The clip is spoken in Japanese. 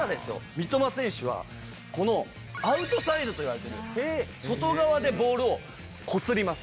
三笘選手はこのアウトサイドといわれてる外側でボールをこすります。